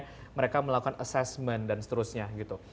bagaimana mereka melakukan assessment dan seterusnya gitu